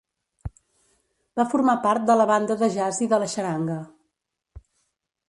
Va formar part de la banda de jazz i de la xaranga.